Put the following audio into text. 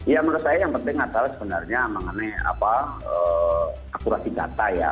ya menurut saya yang penting adalah sebenarnya mengenai akurasi data ya